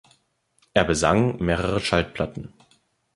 Er besang mehrere Schallplatten.